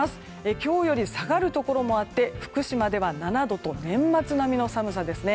今日より下がるところもあって福島では７度と年末並みの寒さですね。